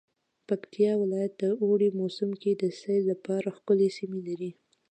پکتيا ولايت د اوړی موسم کی د سیل لپاره ښکلی سیمې لری